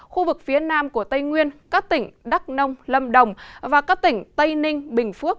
khu vực phía nam của tây nguyên các tỉnh đắk nông lâm đồng và các tỉnh tây ninh bình phước